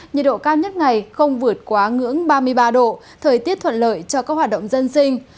nhiệt độ cao nhất ngày không vượt quá ngưỡng ba mươi ba độ thời tiết thuận lợi cho các hoạt động dân sinh